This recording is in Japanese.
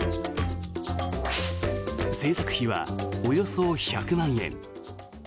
製作費はおよそ１００万円。